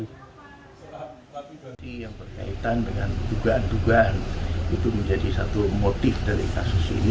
soal aplikasi yang berkaitan dengan dugaan dugaan itu menjadi satu motif dari kasus ini